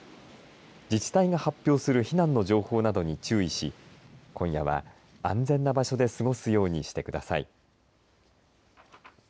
自治体が発表する避難の情報などに注意し今夜は安全な場所で過ごすようにしてください。